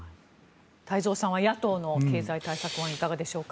太蔵さんは野党の経済対策案いかがでしょうか？